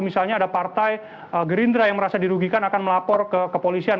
misalnya ada partai gerindra yang merasa dirugikan akan melapor ke kepolisian